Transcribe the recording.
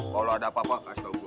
kalau ada apa apa kasih tau gue